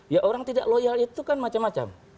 ya orang tidak loyal itu kan macam macam